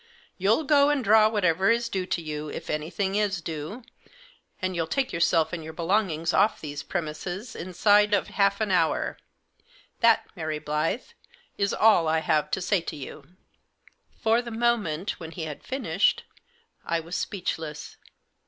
You'll go and draw whatever is due to you, if anything is due ; and you'll take yourself and your belongings off these premises inside of half an hour. That, Mary Blyth, is all I have to say to you." For the moment, when he had finished, I was speechless.